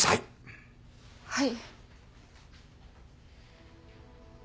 はい。